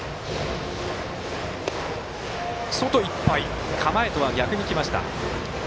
外いっぱい、構えとは逆に来た。